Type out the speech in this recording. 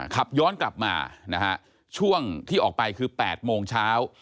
ขับย้อนกลับมานะฮะช่วงที่ออกไปคือ๘โมงเช้า